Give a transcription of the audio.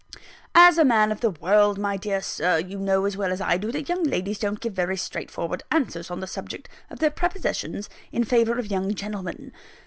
As a man of the world, my dear Sir, you know as well as I do, that young ladies don't give very straightforward answers on the subject of their prepossessions in favour of young gentlemen.